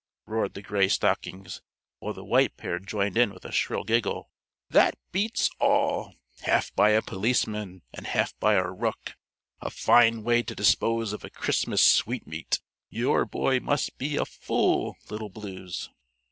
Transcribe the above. roared the Gray Stockings, while the White Pair joined in with a shrill giggle. "That beats all! Half by a policeman, and half by a rook! A fine way to dispose of a Christmas sweetmeat! Your boy must be a fool, Little Blues."